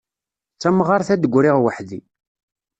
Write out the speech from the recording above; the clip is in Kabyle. D tamɣart a d-griɣ weḥd-i.